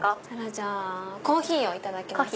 じゃあコーヒーをいただきます。